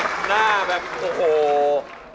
ในเหตุผลเหมือนแบบหัวแบบโอ้โห